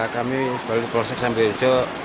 kami balik ke sambirejo